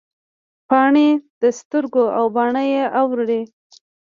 پاڼې د سترګو او باڼه یې اوري